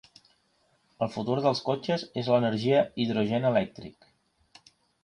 El futur dels cotxes és l'energia Hydrogen Electric.